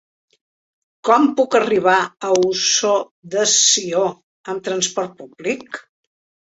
Com puc arribar a Ossó de Sió amb trasport públic?